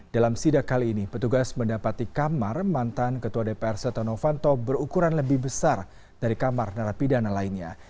dalam sidak kali ini petugas mendapati kamar mantan ketua dpr setia novanto berukuran lebih besar dari kamar narapidana lainnya